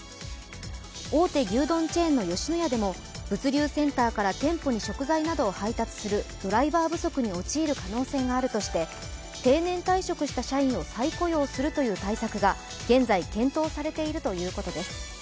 大手牛丼チェーンの吉野家でも物流センターから店舗に食材などを配達するドライバー不足に陥る可能性があるとして定年退職した社員を再雇用するという対策が現在検討されているということです。